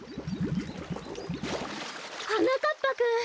はなかっぱくん！